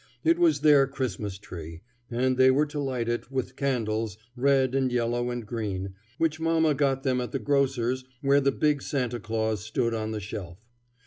It was their Christmas tree, and they were to light it with candles, red and yellow and green, which mama got them at the grocer's where the big Santa Claus stood on the shelf.